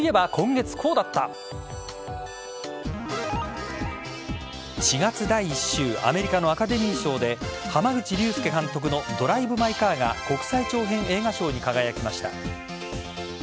４月第１週アメリカのアカデミー賞で濱口竜介監督の「ドライブ・マイ・カー」が国際長編映画賞に輝きました。